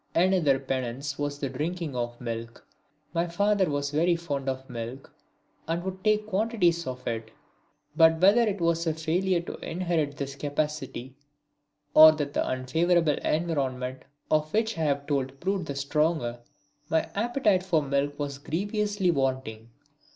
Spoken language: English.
Another penance was the drinking of milk. My father was very fond of milk and could take quantities of it. But whether it was a failure to inherit this capacity, or that the unfavourable environment of which I have told proved the stronger, my appetite for milk was grievously wanting.